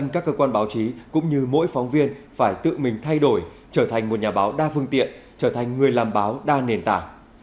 một trăm linh các cơ quan báo chí cũng như mỗi phóng viên phải tự mình thay đổi trở thành một nhà báo đa phương tiện trở thành người làm báo đa nền tảng